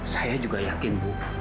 saya juga yakin bu